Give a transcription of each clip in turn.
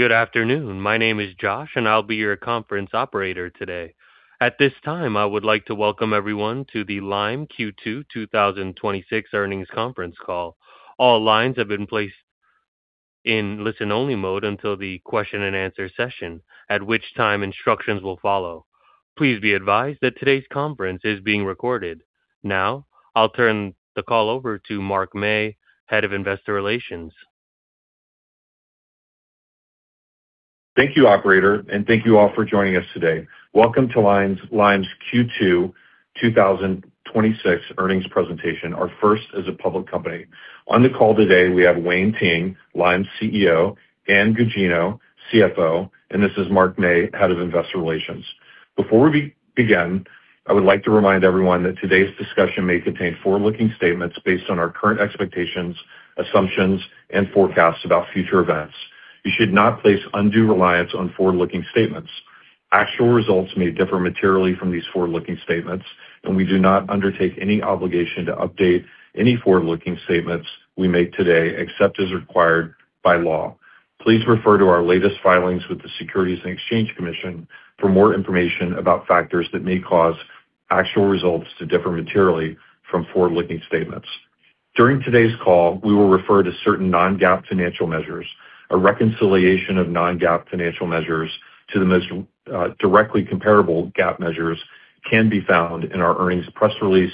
Good afternoon. My name is Josh, and I'll be your conference operator today. At this time, I would like to welcome everyone to the Lime Q2 2026 earnings conference call. All lines have been placed in listen-only mode until the question and answer session, at which time instructions will follow. Please be advised that today's conference is being recorded. Now, I'll turn the call over to Mark May, Head of Investor Relations. Thank you, operator, and thank you all for joining us today. Welcome to Lime's Q2 2026 earnings presentation, our first as a public company. On the call today, we have Wayne Ting, Lime's CEO, Ann Gugino, CFO, and this is Mark May, Head of Investor Relations. Before we begin, I would like to remind everyone that today's discussion may contain forward-looking statements based on our current expectations, assumptions, and forecasts about future events. You should not place undue reliance on forward-looking statements. Actual results may differ materially from these forward-looking statements, and we do not undertake any obligation to update any forward-looking statements we make today, except as required by law. Please refer to our latest filings with the Securities and Exchange Commission for more information about factors that may cause actual results to differ materially from forward-looking statements. During today's call, we will refer to certain non-GAAP financial measures. A reconciliation of non-GAAP financial measures to the most directly comparable GAAP measures can be found in our earnings press release,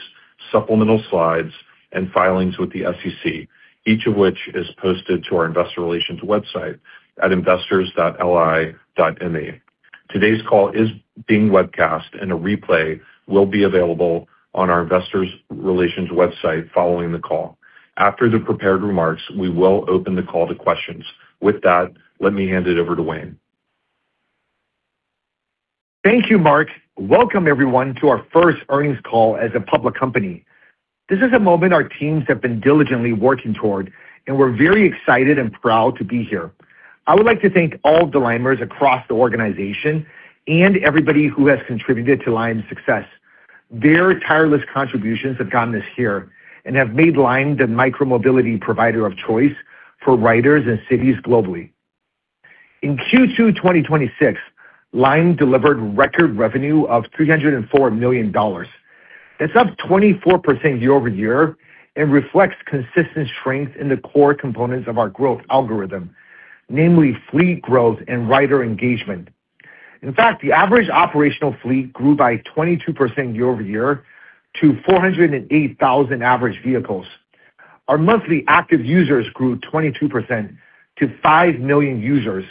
supplemental slides, and filings with the SEC, each of which is posted to our investor relations website at investors.li.me. Today's call is being webcast, and a replay will be available on our investor relations website following the call. After the prepared remarks, we will open the call to questions. With that, let me hand it over to Wayne. Thank you, Mark. Welcome everyone to our first earnings call as a public company. This is a moment our teams have been diligently working toward, and we're very excited and proud to be here. I would like to thank all the Limers across the organization and everybody who has contributed to Lime's success. Their tireless contributions have gotten us here and have made Lime the micro-mobility provider of choice for riders and cities globally. In Q2 2026, Lime delivered record revenue of $304 million. That's up 24% year-over-year and reflects consistent strength in the core components of our growth algorithm, namely fleet growth and rider engagement. In fact, the average operational fleet grew by 22% year-over-year to 408,000 average vehicles. Our monthly active users grew 22% to five million users.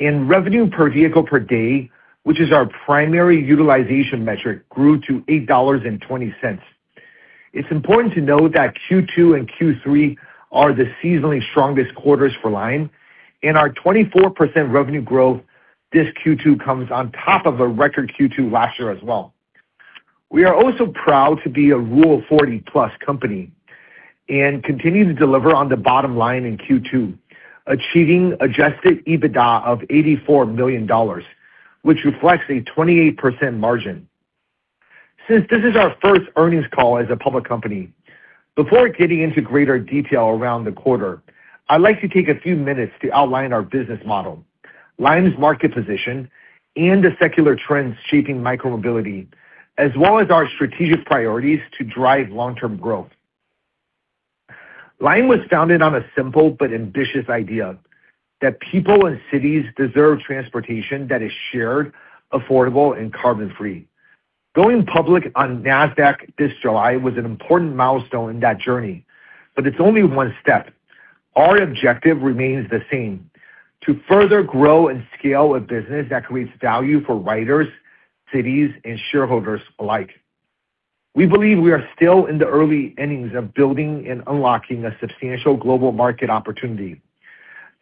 Revenue per vehicle per day, which is our primary utilization metric, grew to $8.20. It's important to note that Q2 and Q3 are the seasonally strongest quarters for Lime. Our 24% revenue growth this Q2 comes on top of a record Q2 last year as well. We are also proud to be a Rule 40+ company and continue to deliver on the bottom line in Q2, achieving adjusted EBITDA of $84 million, which reflects a 28% margin. Since this is our first earnings call as a public company, before getting into greater detail around the quarter, I'd like to take a few minutes to outline our business model, Lime's market position, and the secular trends shaping micro-mobility, as well as our strategic priorities to drive long-term growth. Lime was founded on a simple but ambitious idea that people and cities deserve transportation that is shared, affordable, and carbon-free. Going public on Nasdaq this July was an important milestone in that journey, but it's only one step. Our objective remains the same, to further grow and scale a business that creates value for riders, cities, and shareholders alike. We believe we are still in the early innings of building and unlocking a substantial global market opportunity.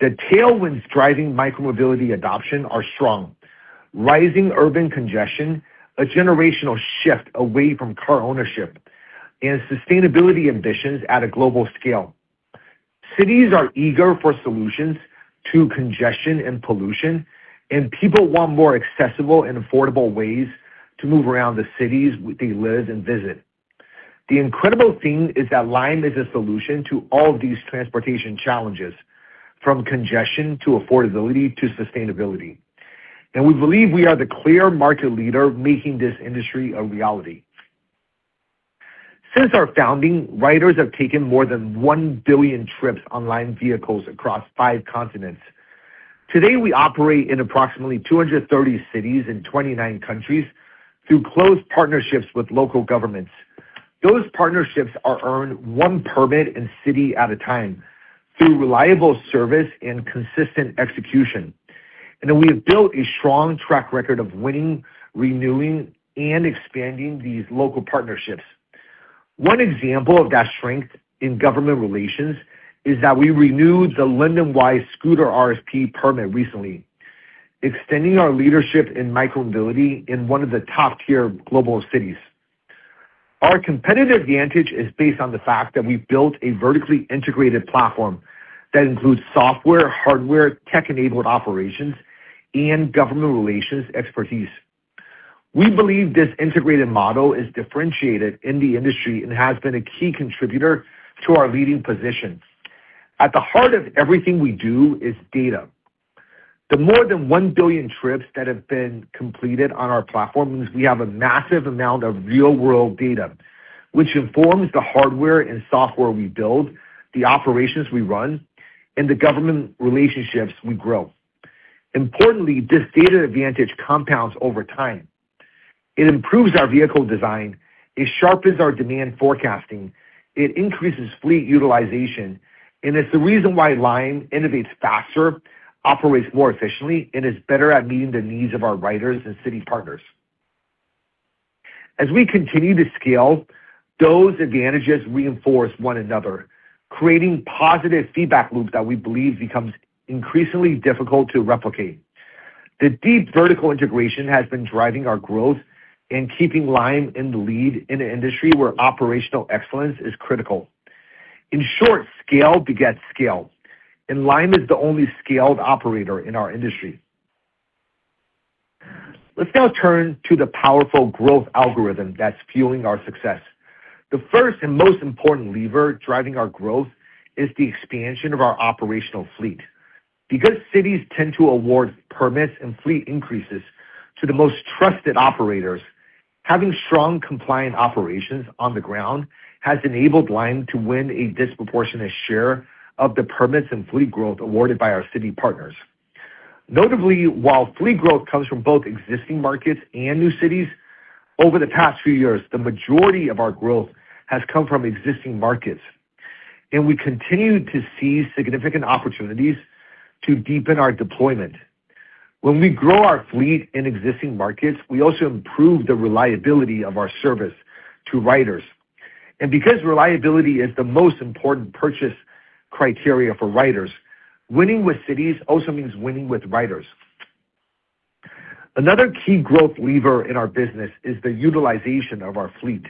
The tailwinds driving micro-mobility adoption are strong. Rising urban congestion, a generational shift away from car ownership, and sustainability ambitions at a global scale. Cities are eager for solutions to congestion and pollution, and people want more accessible and affordable ways to move around the cities they live and visit. The incredible thing is that Lime is a solution to all of these transportation challenges, from congestion to affordability to sustainability. We believe we are the clear market leader making this industry a reality. Since our founding, riders have taken more than 1 billion trips on Lime vehicles across five continents. Today, we operate in approximately 230 cities in 29 countries through close partnerships with local governments. Those partnerships are earned one permit and city at a time through reliable service and consistent execution. We have built a strong track record of winning, renewing, and expanding these local partnerships. One example of that strength in government relations is that we renewed the London-wide scooter RSP permit recently, extending our leadership in micro-mobility in one of the top-tier global cities. Our competitive advantage is based on the fact that we've built a vertically integrated platform that includes software, hardware, tech-enabled operations, and government relations expertise. We believe this integrated model is differentiated in the industry and has been a key contributor to our leading position. At the heart of everything we do is data. The more than 1 billion trips that have been completed on our platform means we have a massive amount of real-world data, which informs the hardware and software we build, the operations we run, and the government relationships we grow. Importantly, this data advantage compounds over time. It improves our vehicle design, it sharpens our demand forecasting, it increases fleet utilization, and it's the reason why Lime innovates faster, operates more efficiently, and is better at meeting the needs of our riders and city partners. As we continue to scale, those advantages reinforce one another, creating positive feedback loops that we believe becomes increasingly difficult to replicate. The deep vertical integration has been driving our growth and keeping Lime in the lead in an industry where operational excellence is critical. In short, scale begets scale, and Lime is the only scaled operator in our industry. Let's now turn to the powerful growth algorithm that's fueling our success. The first and most important lever driving our growth is the expansion of our operational fleet. Because cities tend to award permits and fleet increases to the most trusted operators, having strong compliant operations on the ground has enabled Lime to win a disproportionate share of the permits and fleet growth awarded by our city partners. Notably, while fleet growth comes from both existing markets and new cities, over the past few years, the majority of our growth has come from existing markets, and we continue to see significant opportunities to deepen our deployment. When we grow our fleet in existing markets, we also improve the reliability of our service to riders. Because reliability is the most important purchase criteria for riders, winning with cities also means winning with riders. Another key growth lever in our business is the utilization of our fleet.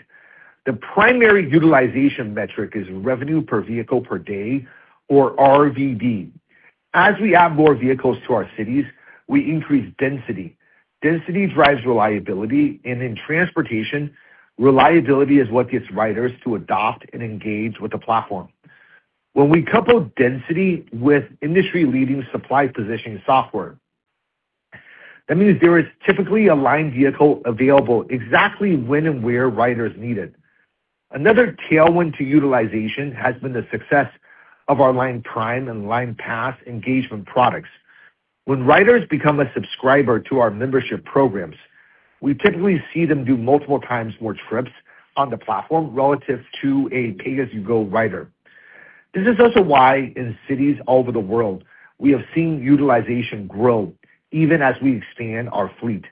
The primary utilization metric is revenue per vehicle per day, or RVD. As we add more vehicles to our cities, we increase density. Density drives reliability, and in transportation, reliability is what gets riders to adopt and engage with the platform. When we couple density with industry-leading supply positioning software, that means there is typically a Lime vehicle available exactly when and where riders need it. Another tailwind to utilization has been the success of our LimePrime and LimePass engagement products. When riders become a subscriber to our membership programs, we typically see them do multiple times more trips on the platform relative to a pay-as-you-go rider. This is also why in cities all over the world, we have seen utilization grow even as we expand our fleet,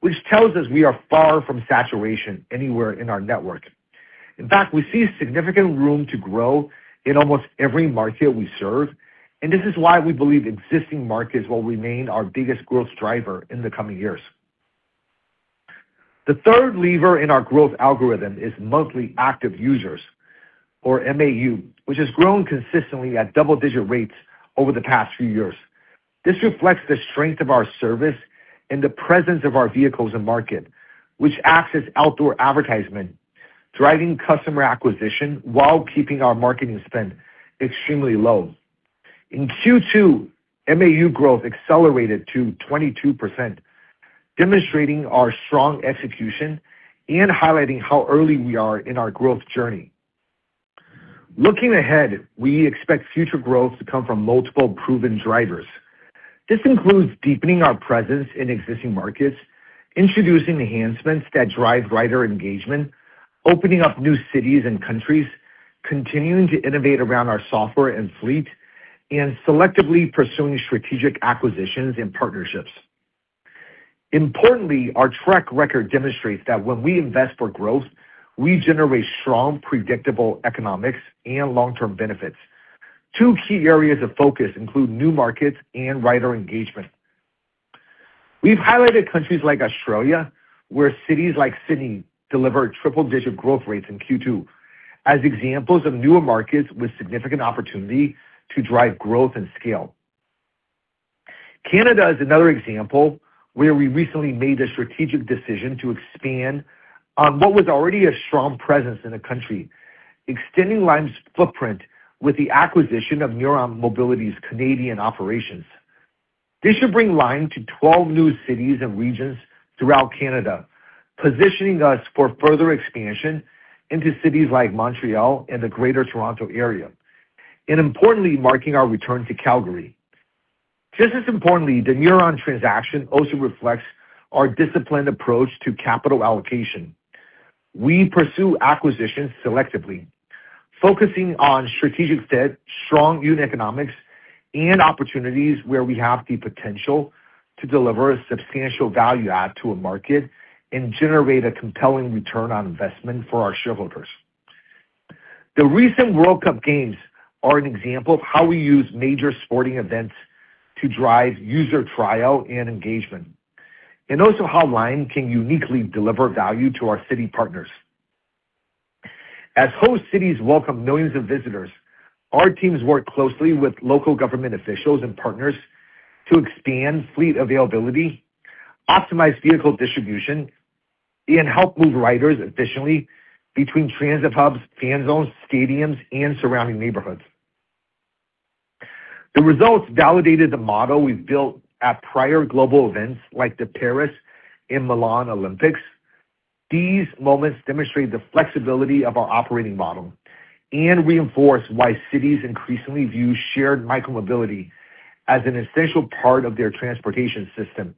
which tells us we are far from saturation anywhere in our network. In fact, we see significant room to grow in almost every market we serve, and this is why we believe existing markets will remain our biggest growth driver in the coming years. The third lever in our growth algorithm is monthly active users, or MAU, which has grown consistently at double-digit rates over the past few years. This reflects the strength of our service and the presence of our vehicles in-market, which acts as outdoor advertisement, driving customer acquisition while keeping our marketing spend extremely low. In Q2, MAU growth accelerated to 22%, demonstrating our strong execution and highlighting how early we are in our growth journey. Looking ahead, we expect future growth to come from multiple proven drivers. This includes deepening our presence in existing markets, introducing enhancements that drive rider engagement, opening up new cities and countries, continuing to innovate around our software and fleet, and selectively pursuing strategic acquisitions and partnerships. Importantly, our track record demonstrates that when we invest for growth, we generate strong, predictable economics and long-term benefits. Two key areas of focus include new markets and rider engagement. We've highlighted countries like Australia, where cities like Sydney delivered triple-digit growth rates in Q2 as examples of newer markets with significant opportunity to drive growth and scale. Canada is another example where we recently made the strategic decision to expand on what was already a strong presence in the country, extending Lime's footprint with the acquisition of Neuron Mobility's Canadian operations. This should bring Lime to 12 new cities and regions throughout Canada, positioning us for further expansion into cities like Montreal and the greater Toronto area, and importantly, marking our return to Calgary. Just as importantly, the Neuron transaction also reflects our disciplined approach to capital allocation. We pursue acquisitions selectively, focusing on strategic fit, strong unit economics, and opportunities where we have the potential to deliver a substantial value add to a market and generate a compelling return on investment for our shareholders. The recent World Cup Games are an example of how we use major sporting events to drive user trial and engagement, and also how Lime can uniquely deliver value to our city partners. As host cities welcome millions of visitors, our teams work closely with local government officials and partners to expand fleet availability, optimize vehicle distribution, and help move riders efficiently between transit hubs, fan zones, stadiums, and surrounding neighborhoods. The results validated the model we've built at prior global events like the Paris and Milan Olympics. These moments demonstrate the flexibility of our operating model and reinforce why cities increasingly view shared micro-mobility as an essential part of their transportation system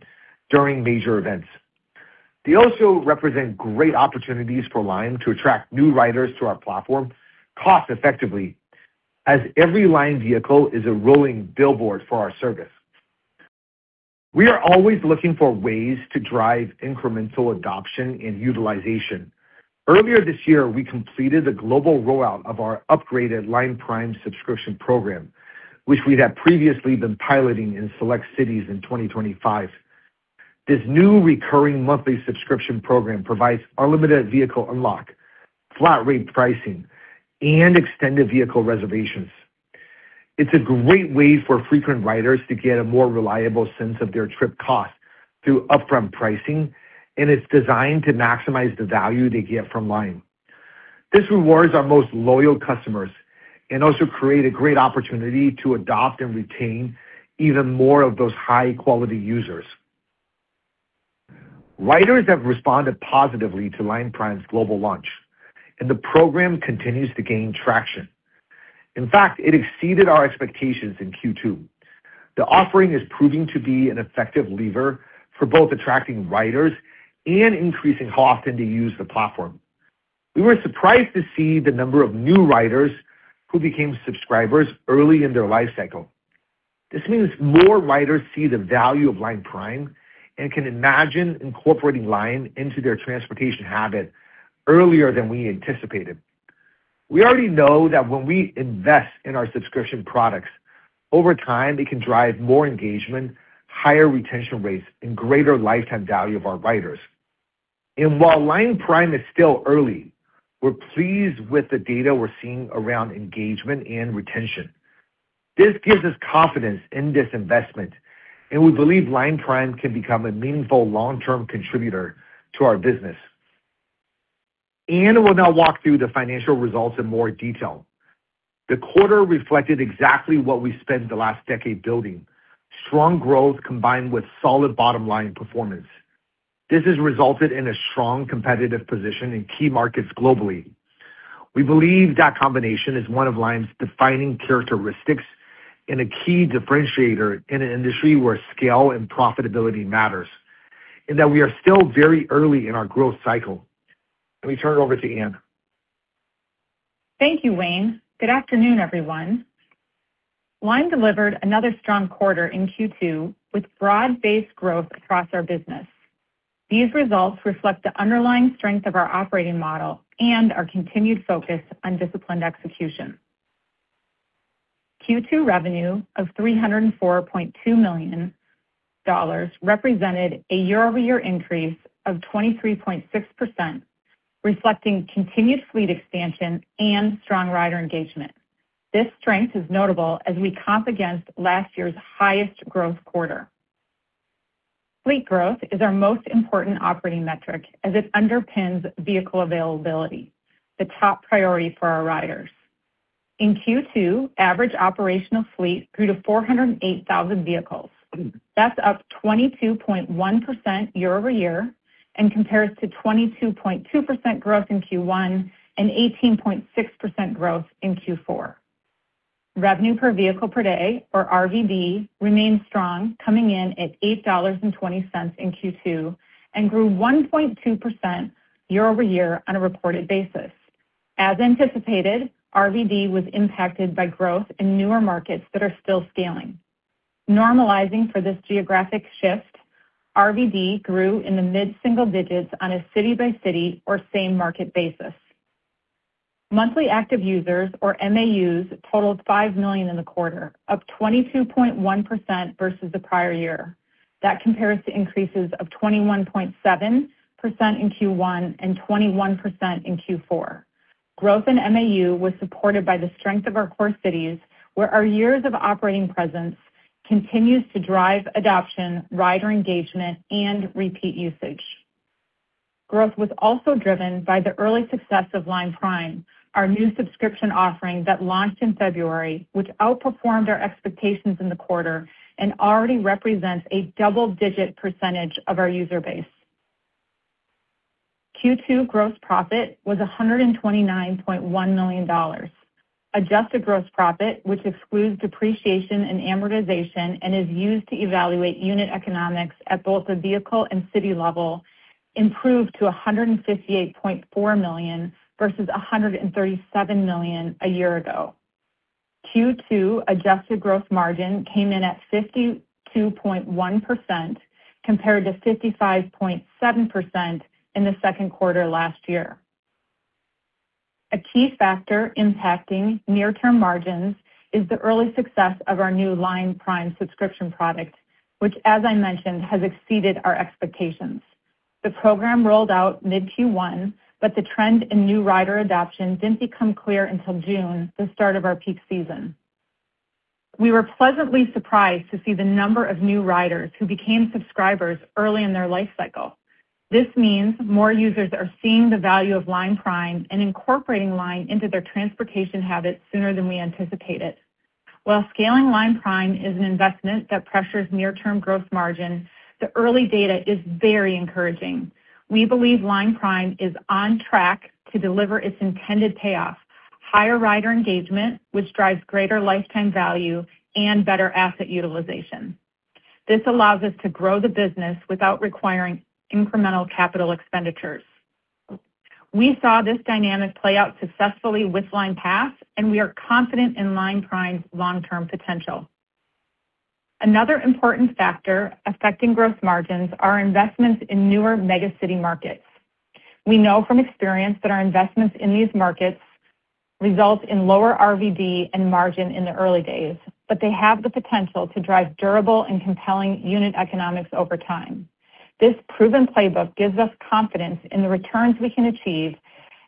during major events. They also represent great opportunities for Lime to attract new riders to our platform cost-effectively, as every Lime vehicle is a rolling billboard for our service. We are always looking for ways to drive incremental adoption and utilization. Earlier this year, we completed the global rollout of our upgraded LimePrime subscription program, which we have previously been piloting in select cities in 2025. This new recurring monthly subscription program provides unlimited vehicle unlock, flat-rate pricing, and extended vehicle reservations. It's a great way for frequent riders to get a more reliable sense of their trip cost through upfront pricing, and it's designed to maximize the value they get from Lime. This rewards our most loyal customers and also create a great opportunity to adopt and retain even more of those high-quality users. Riders have responded positively to LimePrime's global launch, and the program continues to gain traction. In fact, it exceeded our expectations in Q2. The offering is proving to be an effective lever for both attracting riders and increasing how often they use the platform. We were surprised to see the number of new riders who became subscribers early in their life cycle. This means more riders see the value of LimePrime and can imagine incorporating Lime into their transportation habit earlier than we anticipated. We already know that when we invest in our subscription products, over time, they can drive more engagement, higher retention rates, and greater lifetime value of our riders. While LimePrime is still early, we're pleased with the data we're seeing around engagement and retention. This gives us confidence in this investment, and we believe LimePrime can become a meaningful long-term contributor to our business. Ann will now walk through the financial results in more detail. The quarter reflected exactly what we spent the last decade building, strong growth combined with solid bottom-line performance. This has resulted in a strong competitive position in key markets globally. We believe that combination is one of Lime's defining characteristics and a key differentiator in an industry where scale and profitability matters, and that we are still very early in our growth cycle. Let me turn it over to Ann. Thank you, Wayne. Good afternoon, everyone. Lime delivered another strong quarter in Q2 with broad-based growth across our business. These results reflect the underlying strength of our operating model and our continued focus on disciplined execution. Q2 revenue of $304.2 million represented a year-over-year increase of 23.6%, reflecting continued fleet expansion and strong rider engagement. This strength is notable as we comp against last year's highest growth quarter. Fleet growth is our most important operating metric as it underpins vehicle availability, the top priority for our riders. In Q2, average operational fleet grew to 408,000 vehicles. That's up 22.1% year-over-year and compares to 22.2% growth in Q1 and 18.6% growth in Q4. Revenue per vehicle per day, or RVD, remains strong, coming in at $8.20 in Q2 and grew 1.2% year-over-year on a reported basis. As anticipated, RVD was impacted by growth in newer markets that are still scaling. Normalizing for this geographic shift, RVD grew in the mid-single digits on a city-by-city or same-market basis. Monthly active users, or MAUs, totaled 5 million in the quarter, up 22.1% versus the prior year. That compares to increases of 21.7% in Q1 and 21% in Q4. Growth in MAU was supported by the strength of our core cities, where our years of operating presence continues to drive adoption, rider engagement, and repeat usage. Growth was also driven by the early success of LimePrime, our new subscription offering that launched in February, which outperformed our expectations in the quarter and already represents a double-digit percentage of our user base. Q2 gross profit was $129.1 million. Adjusted gross profit, which excludes depreciation and amortization and is used to evaluate unit economics at both the vehicle and city level, improved to $158.4 million versus $137 million a year ago. Q2 adjusted gross margin came in at 52.1% compared to 55.7% in the second quarter last year. A key factor impacting near-term margins is the early success of our new LimePrime subscription product. Which, as I mentioned, has exceeded our expectations. The program rolled out mid Q1, but the trend in new rider adoption didn't become clear until June, the start of our peak season. We were pleasantly surprised to see the number of new riders who became subscribers early in their life cycle. This means more users are seeing the value of LimePrime and incorporating Lime into their transportation habits sooner than we anticipated. While scaling LimePrime is an investment that pressures near-term growth margin, the early data is very encouraging. We believe LimePrime is on track to deliver its intended payoff, higher rider engagement, which drives greater lifetime value and better asset utilization. This allows us to grow the business without requiring incremental capital expenditures. We saw this dynamic play out successfully with LimePass, and we are confident in LimePrime's long-term potential. Another important factor affecting gross margins are investments in newer mega city markets. We know from experience that our investments in these markets result in lower RVD and margin in the early days, but they have the potential to drive durable and compelling unit economics over time. This proven playbook gives us confidence in the returns we can achieve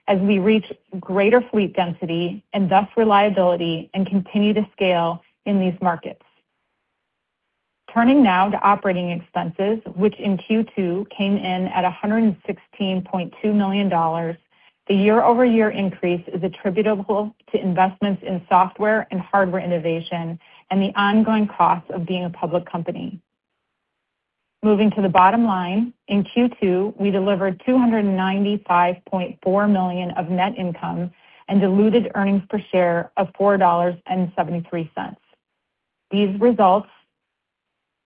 as we reach greater fleet density, and thus reliability, and continue to scale in these markets. Turning now to operating expenses, which in Q2 came in at $116.2 million, the year-over-year increase is attributable to investments in software and hardware innovation and the ongoing cost of being a public company. Moving to the bottom line, in Q2, we delivered $295.4 million of net income and diluted earnings per share of $4.73. These results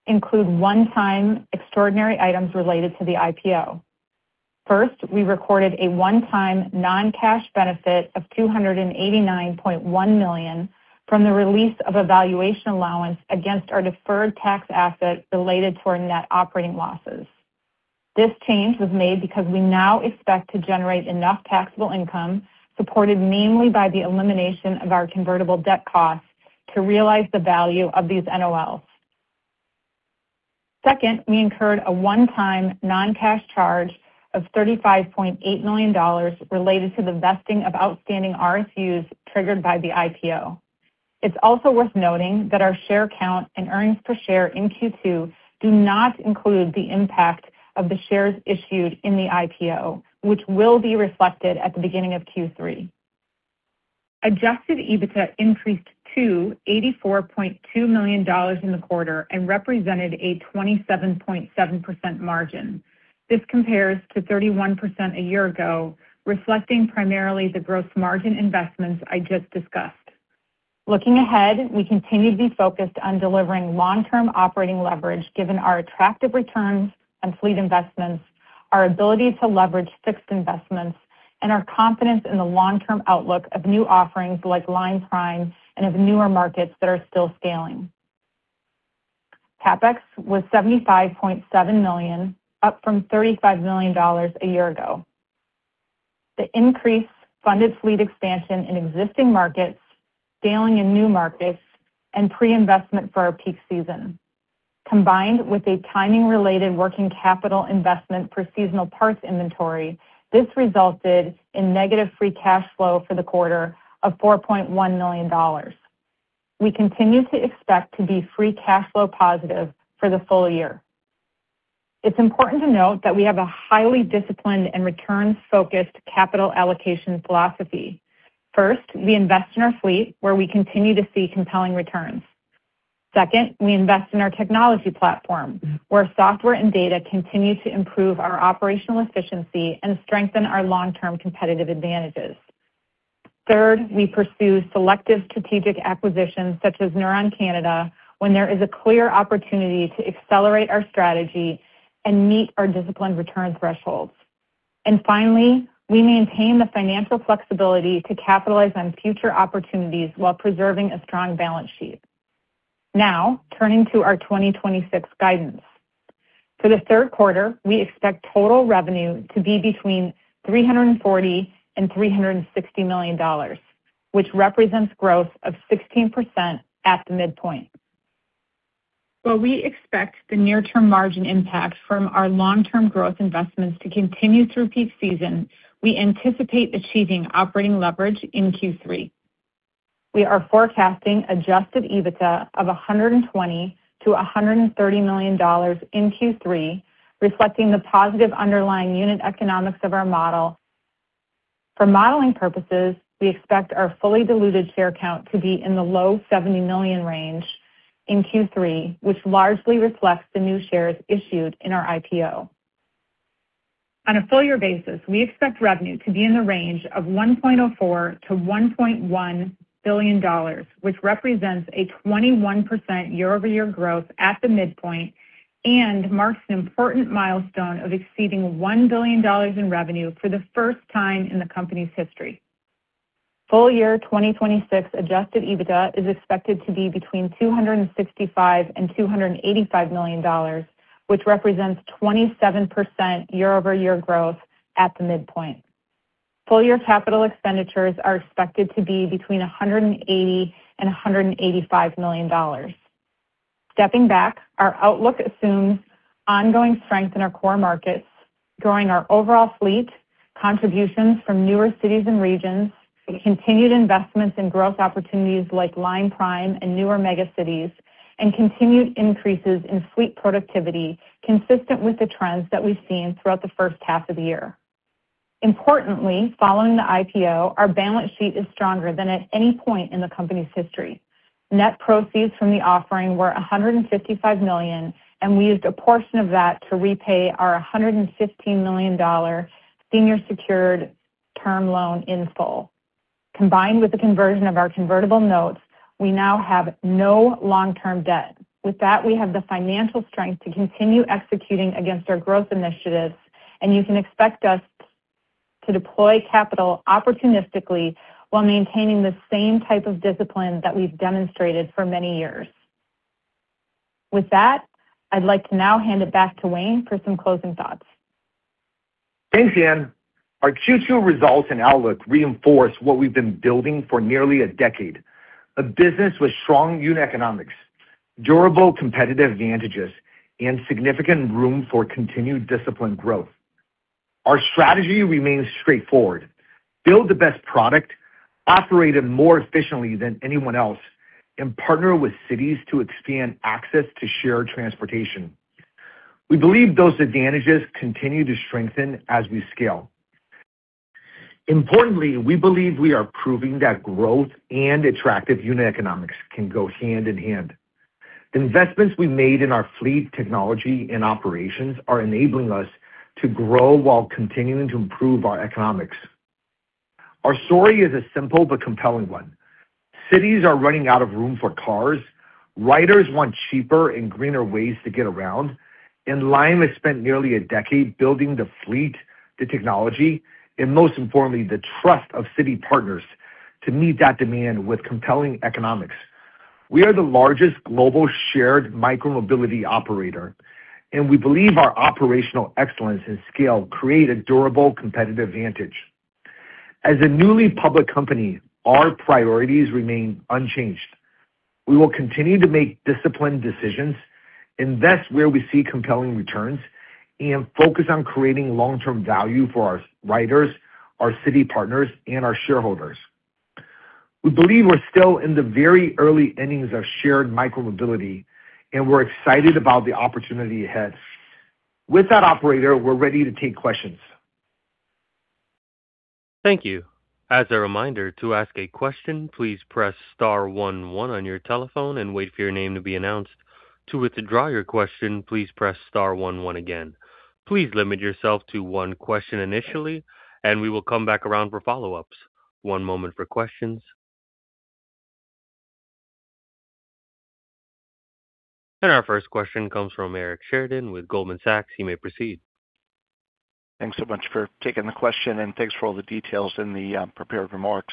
include one-time extraordinary items related to the IPO. First, we recorded a one-time non-cash benefit of $289.1 million from the release of a valuation allowance against our deferred tax asset related to our net operating losses. This change was made because we now expect to generate enough taxable income, supported mainly by the elimination of our convertible debt costs, to realize the value of these NOLs. Second, we incurred a one-time non-cash charge of $35.8 million related to the vesting of outstanding RSUs triggered by the IPO. It's also worth noting that our share count and earnings per share in Q2 do not include the impact of the shares issued in the IPO, which will be reflected at the beginning of Q3. Adjusted EBITDA increased to $84.2 million in the quarter and represented a 27.7% margin. This compares to 31% a year ago, reflecting primarily the gross margin investments I just discussed. Looking ahead, we continue to be focused on delivering long-term operating leverage given our attractive returns on fleet investments, our ability to leverage fixed investments, and our confidence in the long-term outlook of new offerings like LimePrime and of newer markets that are still scaling. CapEx was $75.7 million, up from $35 million a year ago. The increase funded fleet expansion in existing markets, scaling in new markets, and pre-investment for our peak season. Combined with a timing-related working capital investment for seasonal parts inventory, this resulted in negative free cash flow for the quarter of $4.1 million. We continue to expect to be free cash flow positive for the full year. It's important to note that we have a highly disciplined and returns-focused capital allocation philosophy. First, we invest in our fleet, where we continue to see compelling returns. Second, we invest in our technology platform, where software and data continue to improve our operational efficiency and strengthen our long-term competitive advantages. Third, we pursue selective strategic acquisitions, such as Neuron Canada, when there is a clear opportunity to accelerate our strategy and meet our disciplined return thresholds. Finally, we maintain the financial flexibility to capitalize on future opportunities while preserving a strong balance sheet. Now, turning to our 2026 guidance. For the third quarter, we expect total revenue to be between $340 million and $360 million, which represents growth of 16% at the midpoint. While we expect the near-term margin impact from our long-term growth investments to continue through peak season, we anticipate achieving operating leverage in Q3. We are forecasting adjusted EBITDA of $120 million-$130 million in Q3, reflecting the positive underlying unit economics of our model. For modeling purposes, we expect our fully diluted share count to be in the low 70 million range in Q3, which largely reflects the new shares issued in our IPO. On a full year basis, we expect revenue to be in the range of $1.04 billion-$1.1 billion, which represents a 21% year-over-year growth at the midpoint and marks an important milestone of exceeding $1 billion in revenue for the first time in the company's history. Full year 2026 adjusted EBITDA is expected to be between $265 million and $285 million, which represents 27% year-over-year growth at the midpoint. Full-year capital expenditures are expected to be between $180 million and $185 million. Stepping back, our outlook assumes ongoing strength in our core markets, growing our overall fleet, contributions from newer cities and regions, continued investments in growth opportunities like LimePrime and newer mega cities, and continued increases in fleet productivity consistent with the trends that we've seen throughout the first half of the year. Importantly, following the IPO, our balance sheet is stronger than at any point in the company's history. Net proceeds from the offering were $155 million, and we used a portion of that to repay our $115 million senior secured term loan in full. Combined with the conversion of our convertible notes, we now have no long-term debt. We have the financial strength to continue executing against our growth initiatives, and you can expect us to deploy capital opportunistically while maintaining the same type of discipline that we've demonstrated for many years. I'd like to now hand it back to Wayne for some closing thoughts. Thanks, Ann. Our Q2 results and outlook reinforce what we've been building for nearly a decade, a business with strong unit economics, durable competitive advantages, and significant room for continued disciplined growth. Our strategy remains straightforward: build the best product, operate it more efficiently than anyone else, and partner with cities to expand access to shared transportation. We believe those advantages continue to strengthen as we scale. Importantly, we believe we are proving that growth and attractive unit economics can go hand in hand. The investments we made in our fleet technology and operations are enabling us to grow while continuing to improve our economics. Our story is a simple but compelling one. Cities are running out of room for cars. Riders want cheaper and greener ways to get around. Lime has spent nearly a decade building the fleet, the technology, and most importantly, the trust of city partners to meet that demand with compelling economics. We are the largest global shared micromobility operator. We believe our operational excellence and scale create a durable competitive advantage. As a newly public company, our priorities remain unchanged. We will continue to make disciplined decisions, invest where we see compelling returns, and focus on creating long-term value for our riders, our city partners, and our shareholders. We believe we're still in the very early innings of shared micromobility. We're excited about the opportunity ahead. With that, operator, we're ready to take questions. Thank you. As a reminder, to ask a question, please press star one one on your telephone and wait for your name to be announced. To withdraw your question, please press star one one again. Please limit yourself to one question initially. We will come back around for follow-ups. One moment for questions. Our first question comes from Eric Sheridan with Goldman Sachs. He may proceed. Thanks so much for taking the question and thanks for all the details in the prepared remarks.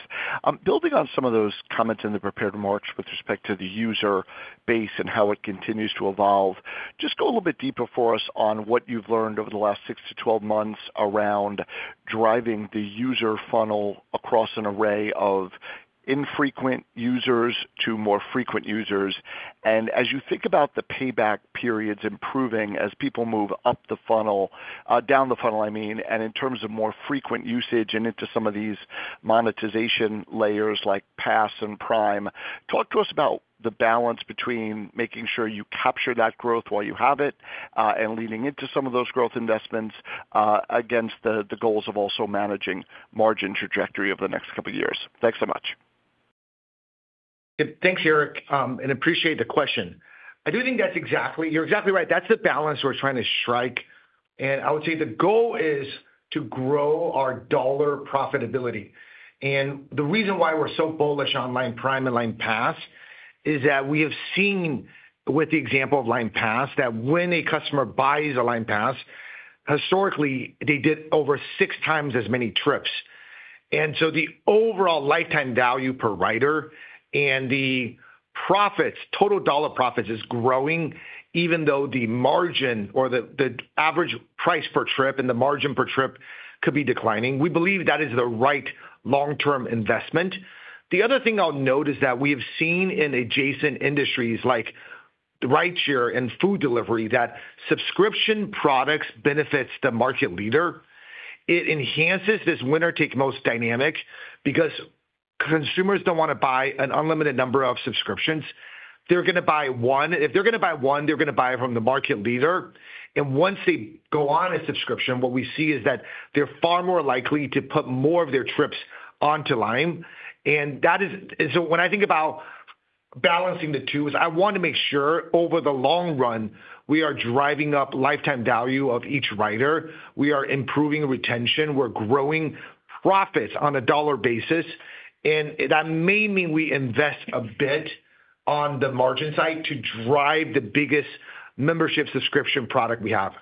Building on some of those comments in the prepared remarks with respect to the user base and how it continues to evolve, just go a little bit deeper for us on what you've learned over the last 6-12 months around driving the user funnel across an array of infrequent users to more frequent users. As you think about the payback periods improving as people move up the funnel, down the funnel, I mean, and in terms of more frequent usage and into some of these monetization layers like Pass and Prime, talk to us about the balance between making sure you capture that growth while you have it, and leaning into some of those growth investments against the goals of also managing margin trajectory over the next couple of years. Thanks so much. Thanks, Eric, and appreciate the question. I do think you're exactly right. That's the balance we're trying to strike. I would say the goal is to grow our dollar profitability. The reason why we're so bullish on LimePrime and LimePass is that we have seen with the example of LimePass, that when a customer buys a LimePass, historically, they did over six times as many trips. The overall lifetime value per rider and the total dollar profits is growing even though the margin or the average price per trip and the margin per trip could be declining. We believe that is the right long-term investment. The other thing I'll note is that we have seen in adjacent industries like rideshare and food delivery, that subscription products benefits the market leader. It enhances this winner-takes-most dynamic because consumers don't want to buy an unlimited number of subscriptions. They're going to buy one. If they're going to buy one, they're going to buy it from the market leader. Once they go on a subscription, what we see is that they're far more likely to put more of their trips onto Lime. When I think about balancing the two is I want to make sure over the long run, we are driving up lifetime value of each rider. We are improving retention. We're growing profits on a dollar basis. That may mean we invest a bit on the margin side to drive the biggest membership subscription product we have.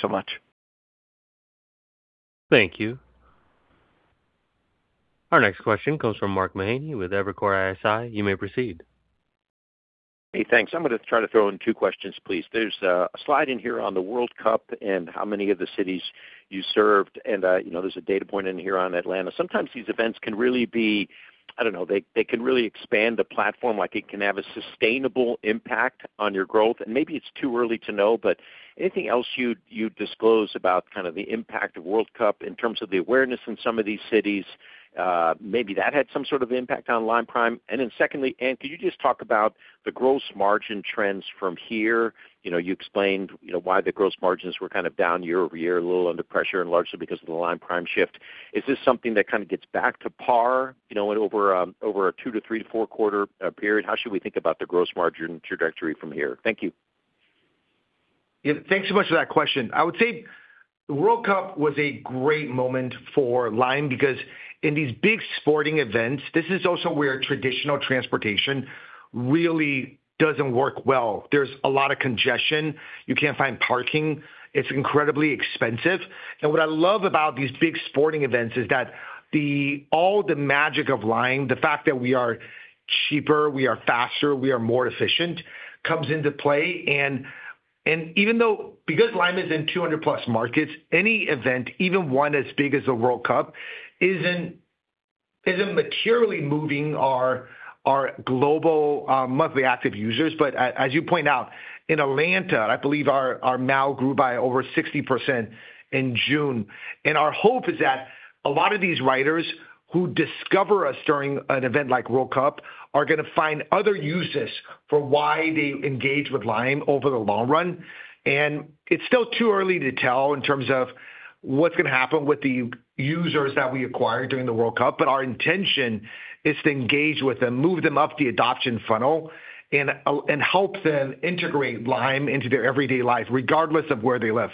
So much. Thank you. Our next question comes from Mark Mahaney with Evercore ISI. You may proceed. Thanks. I'm going to try to throw in two questions, please. There's a slide in here on the World Cup and how many of the cities you served, and there's a data point in here on Atlanta. Sometimes these events can really expand the platform. It can have a sustainable impact on your growth, maybe it's too early to know, but anything else you'd disclose about the impact of World Cup in terms of the awareness in some of these cities? Maybe that had some sort of impact on LimePrime. Secondly, Ann, could you just talk about the gross margin trends from here? You explained why the gross margins were down year-over-year, a little under pressure and largely because of the LimePrime shift. Is this something that gets back to par over a two- to three- to four-quarter period? How should we think about the gross margin trajectory from here? Thank you. Thanks so much for that question. I would say the World Cup was a great moment for Lime because in these big sporting events, this is also where traditional transportation really doesn't work well. There's a lot of congestion. You can't find parking. It's incredibly expensive. What I love about these big sporting events is that all the magic of Lime, the fact that we are cheaper, we are faster, we are more efficient, comes into play. Because Lime is in 200+ markets, any event, even one as big as the World Cup, isn't materially moving our global monthly active users. As you point out, in Atlanta, I believe our MAU grew by over 60% in June. Our hope is that a lot of these riders who discover us during an event like World Cup are going to find other uses for why they engage with Lime over the long run. It's still too early to tell in terms of what's going to happen with the users that we acquire during the World Cup, but our intention is to engage with them, move them up the adoption funnel, and help them integrate Lime into their everyday lives, regardless of where they live.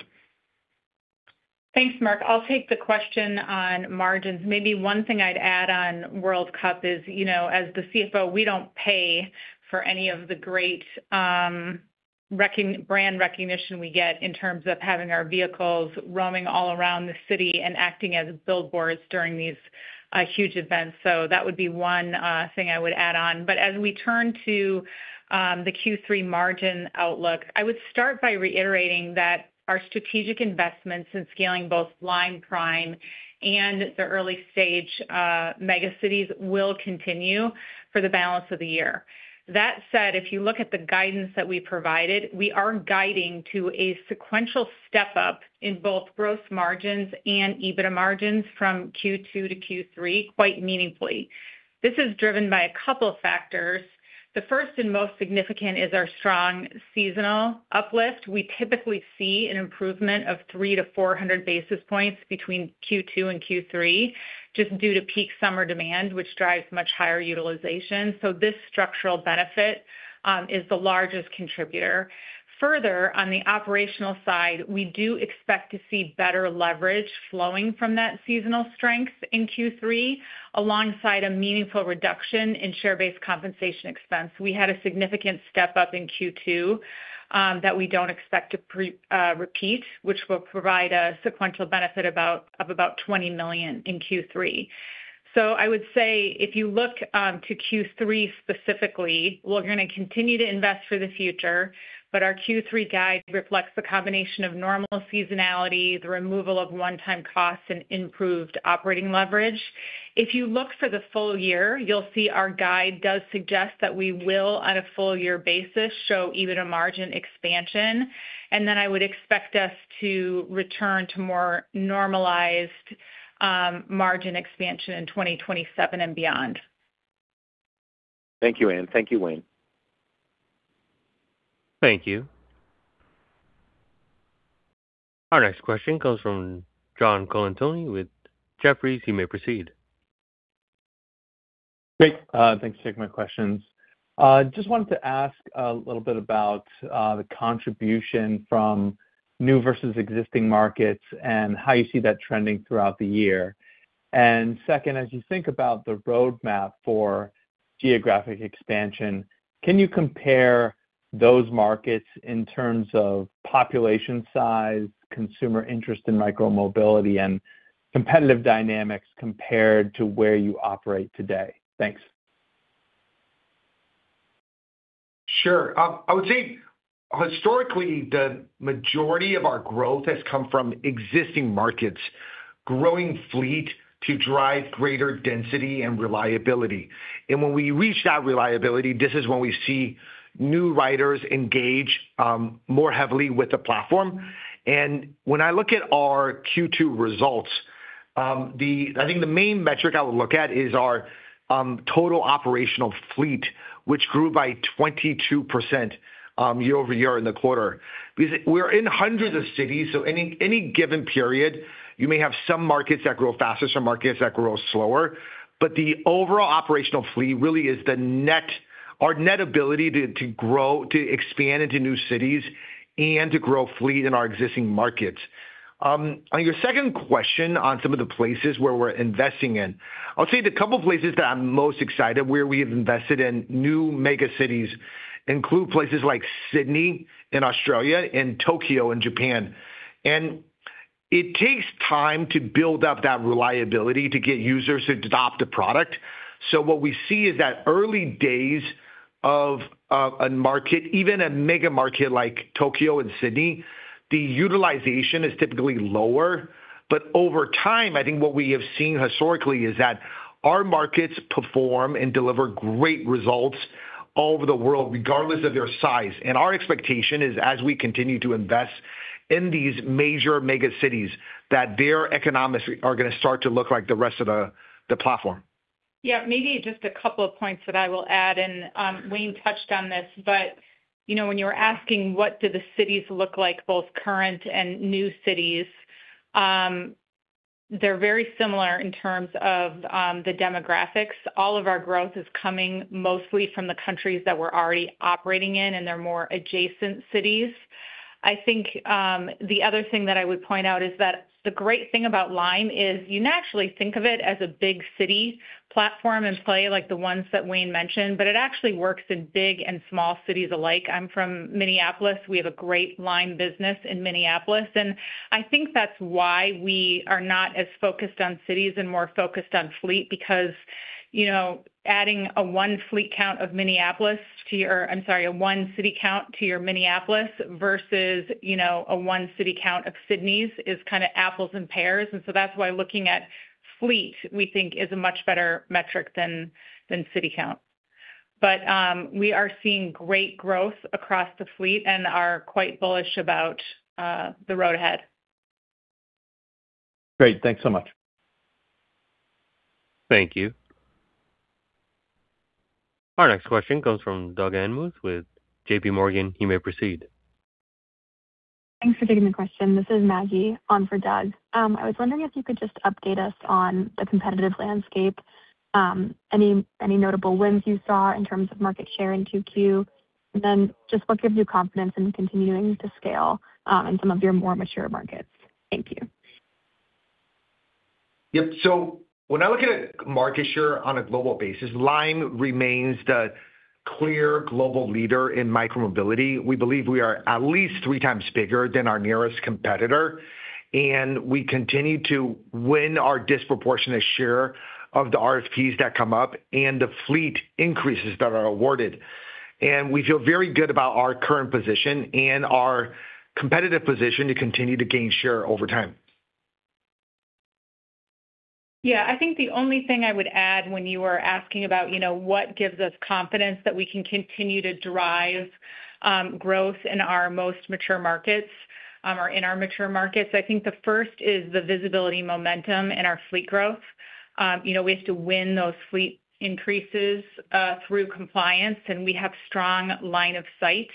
Thanks, Mark. I'll take the question on margins. Maybe one thing I'd add on World Cup is, as the CFO, we don't pay for any of the great brand recognition we get in terms of having our vehicles roaming all around the city and acting as billboards during these huge events. That would be one thing I would add on. As we turn to the Q3 margin outlook, I would start by reiterating that our strategic investments in scaling both LimePrime and the early-stage mega cities will continue for the balance of the year. That said, if you look at the guidance that we provided, we are guiding to a sequential step-up in both gross margins and EBITDA margins from Q2 to Q3 quite meaningfully. This is driven by a couple of factors. The first and most significant is our strong seasonal uplift. We typically see an improvement of 300 to 400 basis points between Q2 and Q3, just due to peak summer demand, which drives much higher utilization. This structural benefit is the largest contributor. Further, on the operational side, we do expect to see better leverage flowing from that seasonal strength in Q3, alongside a meaningful reduction in share-based compensation expense. We had a significant step-up in Q2 that we don't expect to repeat, which will provide a sequential benefit of about $20 million in Q3. I would say if you look to Q3 specifically, we're going to continue to invest for the future, but our Q3 guide reflects the combination of normal seasonality, the removal of one-time costs, and improved operating leverage. If you look for the full year, you'll see our guide does suggest that we will, on a full-year basis, show EBITDA margin expansion. I would expect us to return to more normalized margin expansion in 2027 and beyond. Thank you, Ann. Thank you, Wayne. Thank you. Our next question comes from John Colantuoni with Jefferies. You may proceed. Great. Thanks for taking my questions. Just wanted to ask a little bit about the contribution from new versus existing markets and how you see that trending throughout the year. Second, as you think about the roadmap for geographic expansion, can you compare those markets in terms of population size, consumer interest in micromobility, and competitive dynamics compared to where you operate today? Thanks. Sure. I would say historically, the majority of our growth has come from existing markets, growing fleet to drive greater density and reliability. When we reach that reliability, this is when we see new riders engage more heavily with the platform. When I look at our Q2 results, I think the main metric I would look at is our total operational fleet, which grew by 22% year-over-year in the quarter. Because we're in hundreds of cities, so any given period, you may have some markets that grow faster, some markets that grow slower, but the overall operational fleet really is our net ability to expand into new cities and to grow fleet in our existing markets. On your second question on some of the places where we're investing in, I'll say the couple of places that I'm most excited where we have invested in new mega cities include places like Sydney in Australia and Tokyo in Japan. It takes time to build up that reliability to get users to adopt a product. What we see is that early days of a market, even a mega market like Tokyo and Sydney, the utilization is typically lower. Over time, I think what we have seen historically is that our markets perform and deliver great results all over the world, regardless of their size. Our expectation is as we continue to invest in these major mega cities, that their economics are going to start to look like the rest of the platform. Maybe just a couple of points that I will add. Wayne touched on this. When you were asking what do the cities look like, both current and new cities, they're very similar in terms of the demographics. All of our growth is coming mostly from the countries that we're already operating in and their more adjacent cities. The other thing that I would point out is that the great thing about Lime is you naturally think of it as a big city platform and play like the ones that Wayne mentioned, but it actually works in big and small cities alike. I'm from Minneapolis. We have a great Lime business in Minneapolis. That's why we are not as focused on cities and more focused on fleet because adding a one fleet count of Minneapolis to your I'm sorry, a one city count to your Minneapolis versus a one city count of Sydney is kind of apples and pears. That's why looking at fleet, we think is a much better metric than city count. We are seeing great growth across the fleet and are quite bullish about the road ahead. Great. Thanks so much. Thank you. Our next question comes from Doug Anmuth with JPMorgan. You may proceed. Thanks for taking the question. This is Maggie on for Doug. I was wondering if you could just update us on the competitive landscape, any notable wins you saw in Q2, and what gives you confidence in continuing to scale in some of your more mature markets. Thank you. Yep. When I look at market share on a global basis, Lime remains the clear global leader in micromobility. We believe we are at least three times bigger than our nearest competitor. We continue to win our disproportionate share of the RFPs that come up and the fleet increases that are awarded. We feel very good about our current position and our competitive position to continue to gain share over time. Yeah. I think the only thing I would add when you were asking about what gives us confidence that we can continue to drive growth in our most mature markets, or in our mature markets. I think the first is the visibility momentum in our fleet growth. We have to win those fleet increases through compliance. We have strong line of sight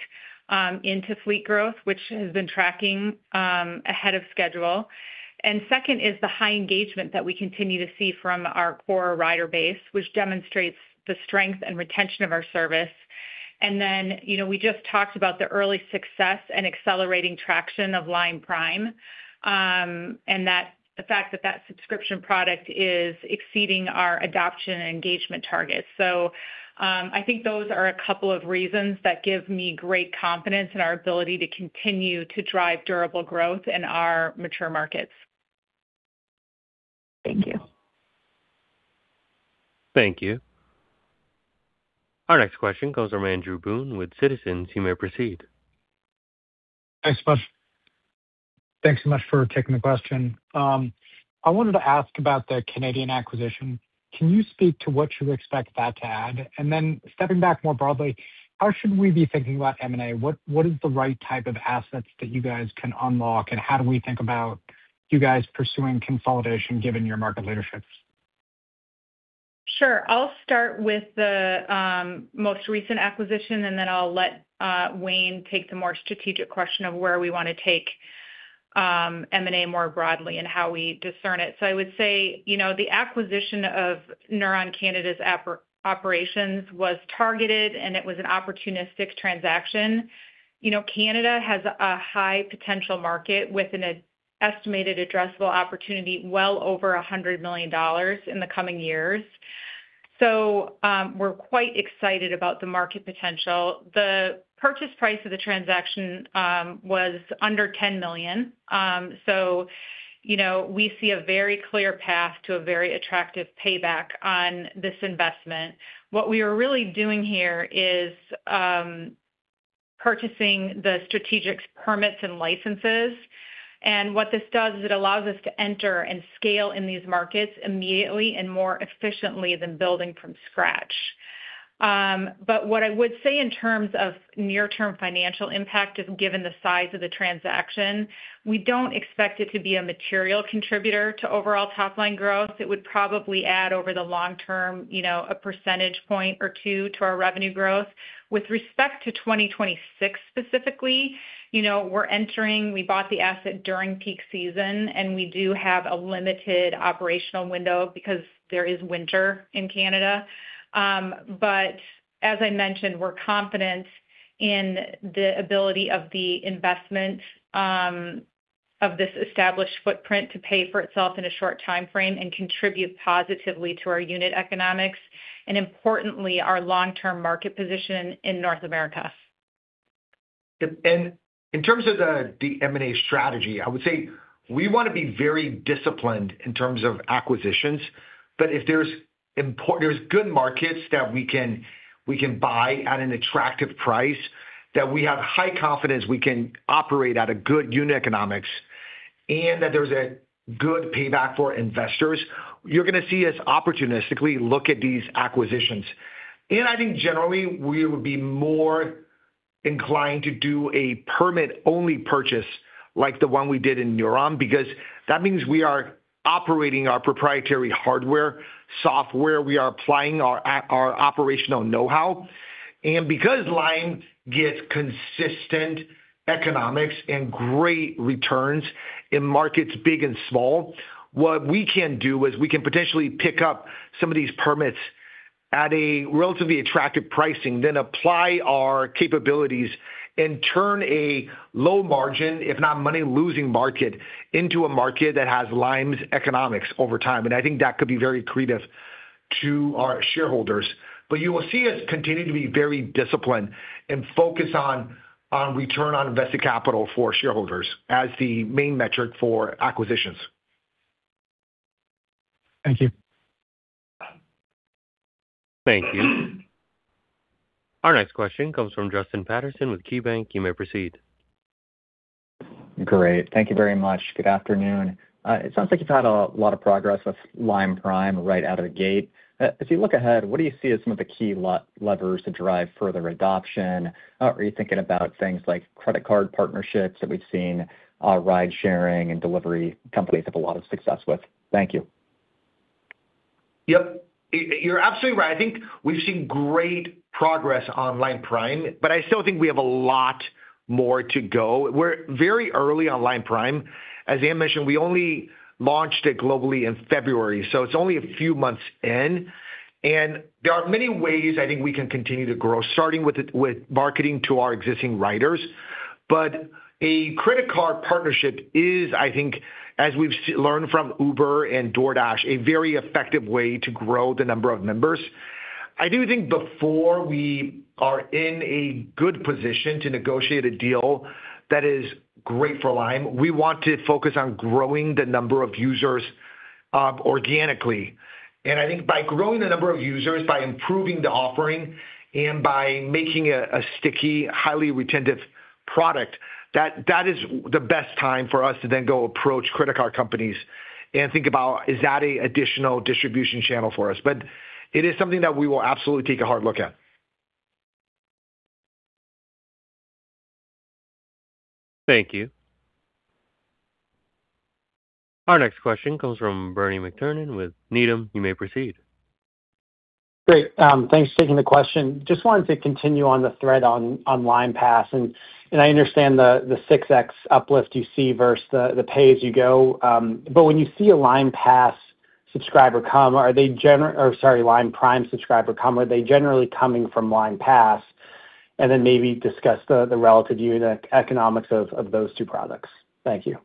into fleet growth, which has been tracking ahead of schedule. Second is the high engagement that we continue to see from our core rider base, which demonstrates the strength and retention of our service. We just talked about the early success and accelerating traction of LimePrime, and the fact that subscription product is exceeding our adoption and engagement targets. I think those are a couple of reasons that give me great confidence in our ability to continue to drive durable growth in our mature markets. Thank you. Thank you. Our next question goes to Andrew Boone with Citizens. You may proceed. Thanks so much for taking the question. I wanted to ask about the Canadian acquisition. Can you speak to what you expect that to add? Then stepping back more broadly, how should we be thinking about M&A? What is the right type of assets that you guys can unlock, and how do we think about you guys pursuing consolidation given your market leadership? Sure. I'll start with the most recent acquisition, and then I'll let Wayne take the more strategic question of where we want to take M&A more broadly and how we discern it. I would say, the acquisition of Neuron Canada's operations was targeted, and it was an opportunistic transaction. Canada has a high potential market with an estimated addressable opportunity well over $100 million in the coming years. We're quite excited about the market potential. The purchase price of the transaction was under $10 million. We see a very clear path to a very attractive payback on this investment. What we are really doing here is purchasing the strategic permits and licenses. What this does is it allows us to enter and scale in these markets immediately and more efficiently than building from scratch. What I would say in terms of near-term financial impact is, given the size of the transaction, we don't expect it to be a material contributor to overall top-line growth. It would probably add over the long term, a percentage point or two to our revenue growth. With respect to 2026 specifically, we're entering, we bought the asset during peak season, and we do have a limited operational window because there is winter in Canada. But as I mentioned, we're confident in the ability of the investment of this established footprint to pay for itself in a short timeframe and contribute positively to our unit economics. Importantly, our long-term market position in North America. Yep. In terms of the M&A strategy, I would say we want to be very disciplined in terms of acquisitions, but if there's good markets that we can buy at an attractive price, that we have high confidence we can operate at a good unit economics, and that there's a good payback for investors, you're going to see us opportunistically look at these acquisitions. I think generally, we would be more inclined to do a permit-only purchase, like the one we did in Neuron, because that means we are operating our proprietary hardware, software, we are applying our operational knowhow. Because Lime gets consistent economics and great returns in markets big and small, what we can do is we can potentially pick up some of these permits at a relatively attractive pricing, then apply our capabilities and turn a low margin, if not money-losing market, into a market that has Lime's economics over time. I think that could be very accretive to our shareholders. But you will see us continue to be very disciplined and focus on return on invested capital for shareholders as the main metric for acquisitions. Thank you. Thank you. Our next question comes from Justin Patterson with KeyBanc. You may proceed. Great. Thank you very much. Good afternoon. It sounds like you've had a lot of progress with LimePrime right out of the gate. As you look ahead, what do you see as some of the key levers to drive further adoption? Are you thinking about things like credit card partnerships that we've seen ride-sharing and delivery companies have a lot of success with? Thank you. Yep. You're absolutely right. I think we've seen great progress on LimePrime, I still think we have a lot more to go. We're very early on LimePrime. As Ann mentioned, we only launched it globally in February, so it's only a few months in, there are many ways I think we can continue to grow, starting with marketing to our existing riders. A credit card partnership is, I think, as we've learned from Uber and DoorDash, a very effective way to grow the number of members. I do think before we are in a good position to negotiate a deal that is great for Lime, we want to focus on growing the number of users organically. I think by growing the number of users, by improving the offering, and by making a sticky, highly retentive product, that is the best time for us to then go approach credit card companies and think about, is that an additional distribution channel for us? It is something that we will absolutely take a hard look at. Thank you. Our next question comes from Bernie McTernan with Needham. You may proceed. Great. Thanks for taking the question. Just wanted to continue on the thread on LimePass, I understand the 6x uplift you see versus the pay-as-you-go. When you see a LimePrime subscriber come, are they generally coming from LimePass? Then maybe discuss the relative unit economics of those two products. Thank you.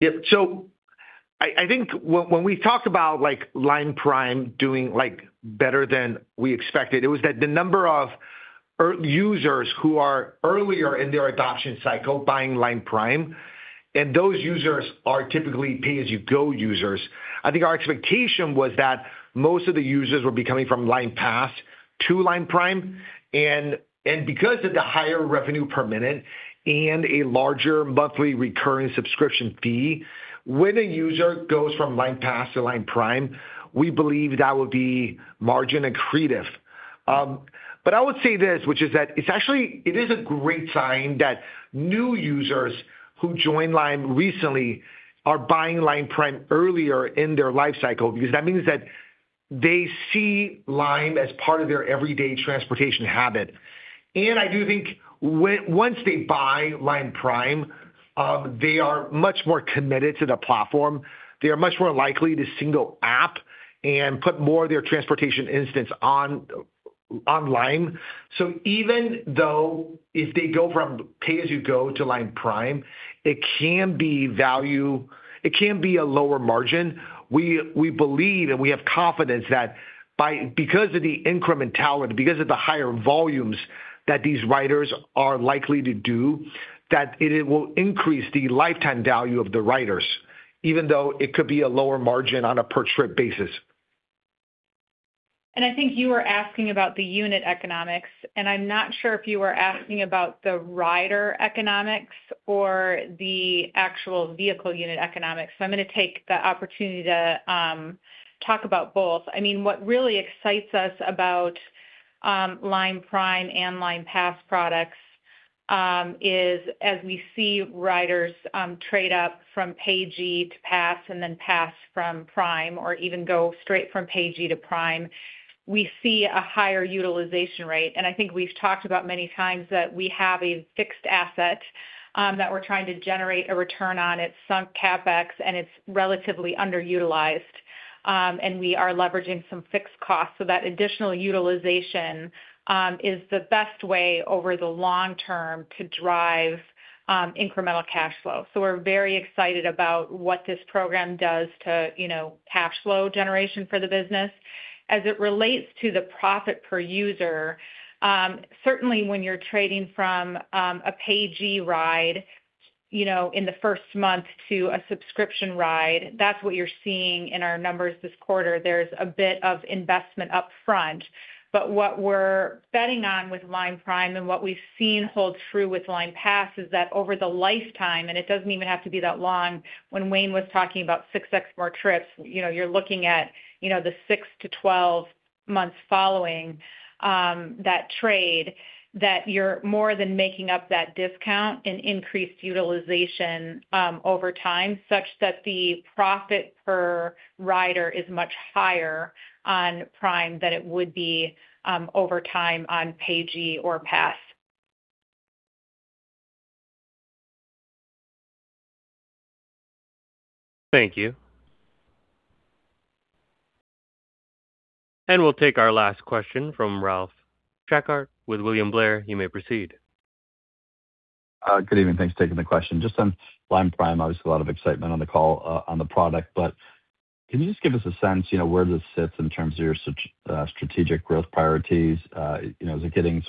Yep. I think when we talk about LimePrime doing better than we expected, it was that the number of users who are earlier in their adoption cycle buying LimePrime, those users are typically pay-as-you-go users. I think our expectation was that most of the users would be coming from LimePass to LimePrime. Because of the higher revenue per minute and a larger monthly recurring subscription fee, when a user goes from LimePass to LimePrime, we believe that would be margin accretive. I would say this, which is that it is a great sign that new users who joined Lime recently are buying LimePrime earlier in their life cycle, because that means that they see Lime as part of their everyday transportation habit. I do think once they buy LimePrime, they are much more committed to the platform. They are much more likely to single app and put more of their transportation instance on Lime. Even though if they go from pay-as-you-go to LimePrime, it can be a lower margin. We believe and we have confidence that because of the increment talent, because of the higher volumes that these riders are likely to do, that it will increase the lifetime value of the riders, even though it could be a lower margin on a per trip basis. I think you were asking about the unit economics, I'm not sure if you were asking about the rider economics or the actual vehicle unit economics. I'm going to take the opportunity to talk about both. What really excites us about LimePrime and LimePass products is as we see riders trade up from pay-as-you-go to Pass and then Pass to Prime or even go straight from pay-as-you-go to Prime, we see a higher utilization rate. I think we've talked about many times that we have a fixed asset that we're trying to generate a return on. It's sunk CapEx, and it's relatively underutilized. We are leveraging some fixed costs. That additional utilization is the best way over the long term to drive incremental cash flow. We're very excited about what this program does to cash flow generation for the business. As it relates to the profit per user, certainly when you're trading from a pay-as-you-go ride in the first month to a subscription ride, that's what you're seeing in our numbers this quarter. There's a bit of investment upfront. What we're betting on with LimePrime and what we've seen hold true with LimePass is that over the lifetime, and it doesn't even have to be that long. When Wayne was talking about 6x more trips, you're looking at the 6-12 months following that trade, that you're more than making up that discount in increased utilization over time, such that the profit per rider is much higher on Prime than it would be over time on pay-as-you-go or Pass. Thank you. We'll take our last question from Ralph Schackart with William Blair. You may proceed. Good evening. Thanks for taking the question. Just on LimePrime, obviously, a lot of excitement on the call on the product, can you just give us a sense where this sits in terms of your strategic growth priorities? Is it getting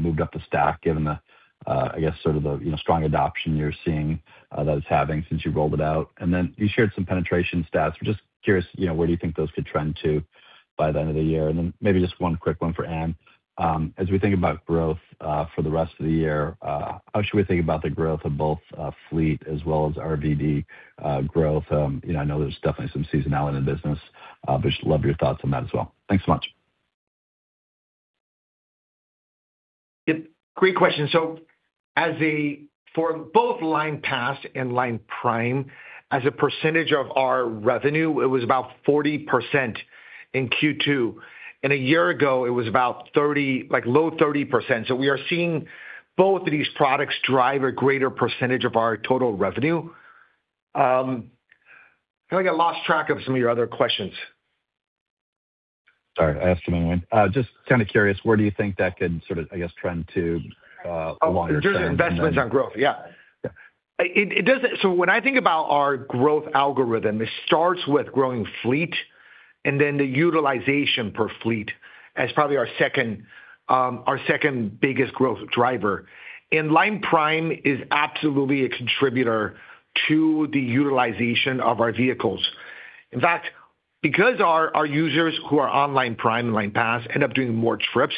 moved up the stack given the strong adoption you're seeing that it's having since you rolled it out? Then you shared some penetration stats. We're just curious, where do you think those could trend to by the end of the year? Then maybe just one quick one for Ann. As we think about growth for the rest of the year, how should we think about the growth of both Fleet as well as RVD growth? I know there's definitely some seasonality in the business, just love your thoughts on that as well. Thanks so much. Yep, great question. For both LimePass and LimePrime, as a percentage of our revenue, it was about 40% in Q2 and a year ago it was about low 30%. We are seeing both of these products drive a greater percentage of our total revenue. I think I lost track of some of your other questions. Sorry, I asked them in one. Just kind of curious, where do you think that could sort of, I guess, trend to longer term? Oh, investments on growth, yeah. Yeah. When I think about our growth algorithm, it starts with growing fleet and then the utilization per fleet as probably our second biggest growth driver, and LimePrime is absolutely a contributor to the utilization of our vehicles. In fact, because our users who are on LimePrime and LimePass end up doing more trips,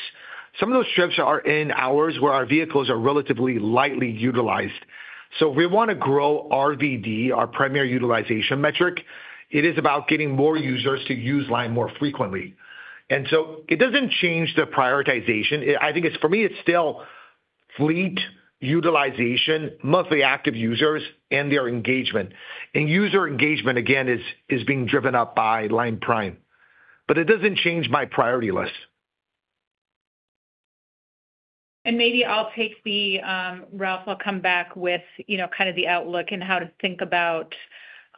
some of those trips are in hours where our vehicles are relatively lightly utilized. If we want to grow RVD, our primary utilization metric, it is about getting more users to use Lime more frequently. It doesn't change the prioritization. I think for me, it's still fleet utilization, monthly active users and their engagement. User engagement, again, is being driven up by LimePrime, but it doesn't change my priority list. Maybe, Ralph, I'll come back with kind of the outlook and how to think about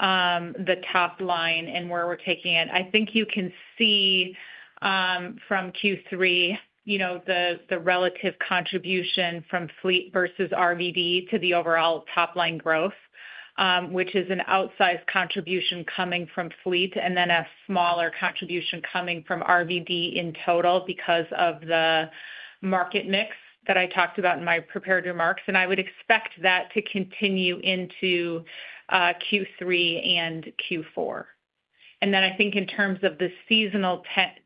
the top line and where we're taking it. I think you can see from Q3 the relative contribution from Fleet versus RVD to the overall top-line growth, which is an outsized contribution coming from Fleet and then a smaller contribution coming from RVD in total because of the market mix that I talked about in my prepared remarks. I would expect that to continue into Q3 and Q4. I think in terms of the seasonal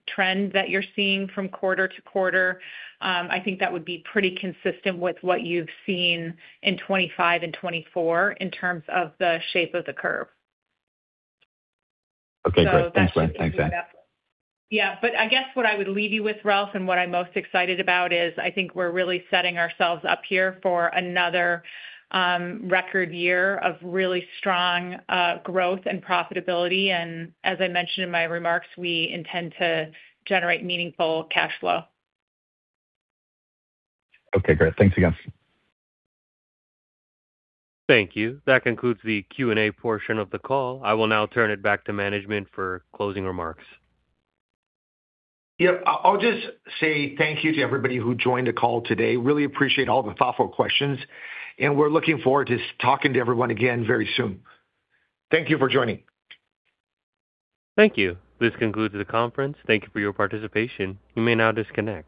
trend that you're seeing from quarter to quarter, I think that would be pretty consistent with what you've seen in 2025 and 2024 in terms of the shape of the curve. Okay, great. Thanks, Wayne. Thanks, Ann. I guess what I would leave you with, Ralph, and what I'm most excited about is I think we're really setting ourselves up here for another record year of really strong growth and profitability. As I mentioned in my remarks, we intend to generate meaningful cash flow. Okay, great. Thanks again. Thank you. That concludes the Q&A portion of the call. I will now turn it back to management for closing remarks. Yep. I'll just say thank you to everybody who joined the call today. Really appreciate all the thoughtful questions, and we're looking forward to talking to everyone again very soon. Thank you for joining. Thank you. This concludes the conference. Thank you for your participation. You may now disconnect.